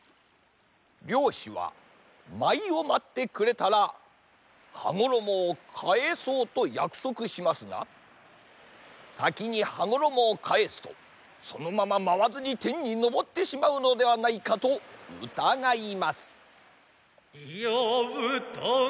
りょうしはまいをまってくれたらはごろもをかえそうとやくそくしますがさきにはごろもをかえすとそのまままわずにてんにのぼってしまうのではないかとうたがいます。